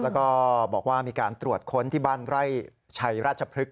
แล้วก็บอกว่ามีการตรวจค้นที่บ้านไร่ชัยราชพฤกษ